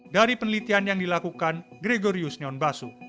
dari penelitian yang dilakukan gregorius nyonbasu